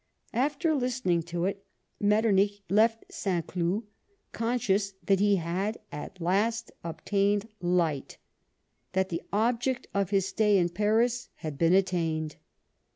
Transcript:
After listening to it, Metternich left St. Cloud, conscious that he had at last obtained light ; that the object of his stay in Paris had been attained.